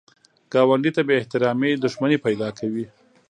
ګاونډي ته بې احترامي دښمني پیدا کوي